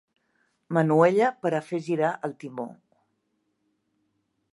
Manuella per a fer girar el timó.